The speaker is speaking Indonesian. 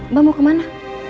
mbak mau kemana